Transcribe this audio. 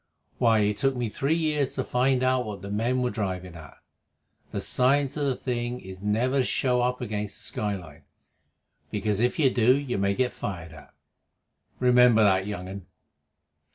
Why, it took me three years to find out what the men were driving at. The science of the thing is never to show up against the sky line, because, if you do, you may get fired at. Remember that, young un.